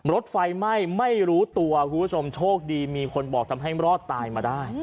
รถไฟไหม้ไม่รู้ตัวคุณผู้ชมโชคดีมีคนบอกทำให้รอดตายมาได้